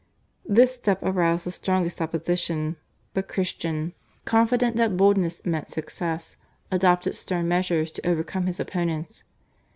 This step aroused the strongest opposition, but Christian, confident that boldness meant success, adopted stern measures to overcome his opponents.